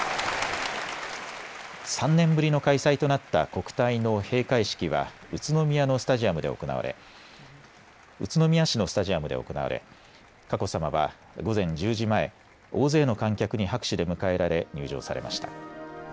３年ぶりの開催となった国体の閉会式は宇都宮市のスタジアムで行われ、佳子さまは午前１０時前、大勢の観客に拍手で迎えられ入場されました。